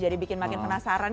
jadi bikin makin penasaran